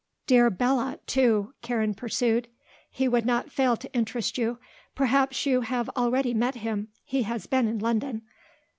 Dear Belot, too," Karen pursued. "He could not fail to interest you. Perhaps you have already met him. He has been in London."